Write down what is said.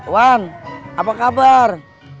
wan apa kabar